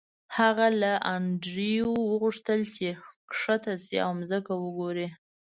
هغه له انډریو وغوښتل چې ښکته شي او ځمکه وګوري